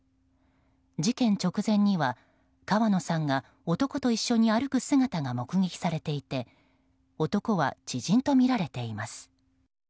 事件直前には川野さんが男と一緒に歩く姿が目撃されていて男は知人とみられています。